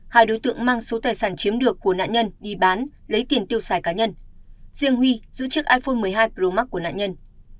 hai đối tượng mang số tài sản chiếm được của nạn nhân đi bán lấy tiền tiêu xài cá nhân riêng huy giữ chiếc iphone một mươi hai pro max của nạn nhân